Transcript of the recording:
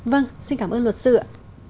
vâng xin cảm ơn luật sư ạ